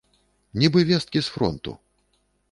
Нібы весткі з фронту!